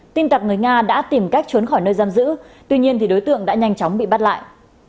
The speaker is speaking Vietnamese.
tin tập người nga đã tìm cách trốn khỏi nơi giam giữ tuy nhiên đối tượng đã nhanh chóng bị bắt lại